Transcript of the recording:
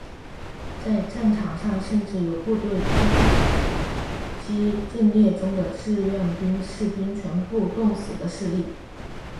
在战场上甚至有部分阻击阵地中的志愿兵士兵全员冻死的事例。